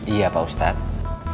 iya pak ustadz